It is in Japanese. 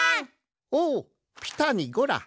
おおピタにゴラ。